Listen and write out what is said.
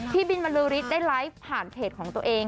พี่บินมารือริดได้ไลฟ์ผ่านเขตของตัวเอง